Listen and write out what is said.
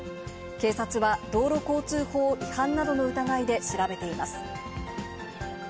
警察は、道路交通法違反などの疑いで調べています。